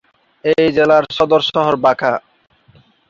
এই জেলার সদর শহর বাঁকা।